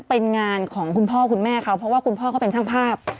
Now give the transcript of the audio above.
เป็นงานของคุณพ่อคุณแม่เขาเพราะว่าคุณพ่อเขาเป็นช่างภาพ